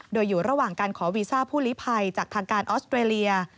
โดยอยู่ระหว่างการขอวีซ่าผู้ลิภัยจากทางการออสเตรเลีย